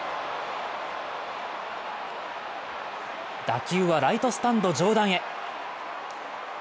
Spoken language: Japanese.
打球はライトスタンド上段へ。